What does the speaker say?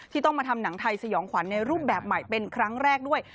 ต้องมาทำหนังไทยสยองขวัญในรูปแบบใหม่เป็นครั้งแรกด้วย